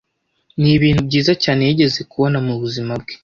Nibintu byiza cyane yigeze kubona mubuzima bwe.